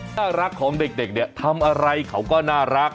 น่ารักของเด็กเนี่ยทำอะไรเขาก็น่ารัก